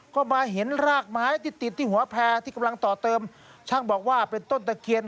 ก็มาเห็นรากไม้ที่ติดที่หัวแพร่ที่กำลังต่อเติมช่างบอกว่าเป็นต้นตะเคียน